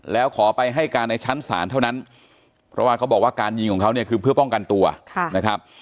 แล้วขอไปให้การในชั้นศาลเท่านั้นเพราะว่าเขาบอกว่าการยิงของเขาเนี่ยคือเพื่อป้องกันตัวนะครับ